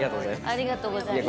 ありがとうございます。